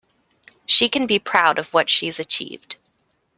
She can be proud of what she’s achieved